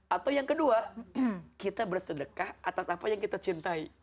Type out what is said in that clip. atau yang kedua kita bersedekah atas apa yang kita cintai